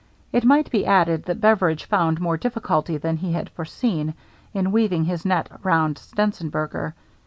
It might be added that Beveridge found more difficulty than he had foreseen in weaving his net around Stenzenberger.